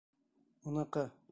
Уныҡы.